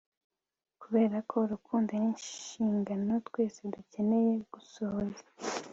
kuberako urukundo ninshingano twese dukeneye gusohoza